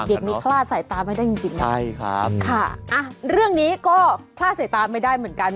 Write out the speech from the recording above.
เด็กนี้คล่าใส่ตาไม่ได้จริงค่ะเรื่องนี้ก็คล่าใส่ตาไม่ได้เหมือนกัน